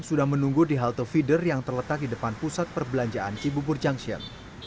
sudah menunggu di halte feeder yang terletak di depan pusat perbelanjaan cibubur junction